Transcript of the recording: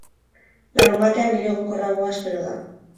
Larunbatean giro egonkorragoa espero da.